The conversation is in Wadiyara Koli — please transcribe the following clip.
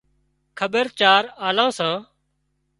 کٻير چار لان سان